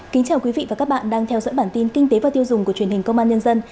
kính chào quý vị và các bạn đang theo dõi bản tin kinh tế và tiêu dùng của truyền hình công an nhân dân